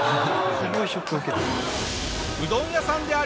すごいショックを受けて。